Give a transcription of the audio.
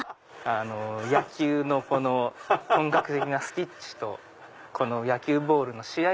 野球の本格的なステッチと野球ボールの試合